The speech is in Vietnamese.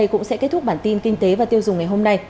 hôm nay cũng sẽ kết thúc bản tin kinh tế và tiêu dùng ngày hôm nay